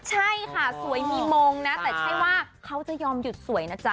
ใช่ค่ะสวยมีมงนะแต่ใช่ว่าเขาจะยอมหยุดสวยนะจ๊